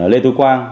lê tú quang